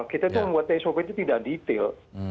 kita itu membuat sop itu tidak detail